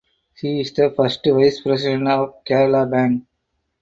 He is the first Vice president of Kerala Bank.